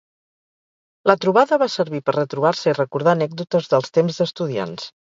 La trobada va servir per retrobar-se i recordar anècdotes dels temps d’estudiants.